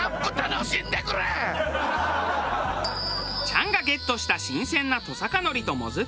チャンがゲットした新鮮なトサカノリともずく。